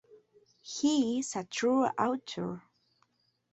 He is a true auteur.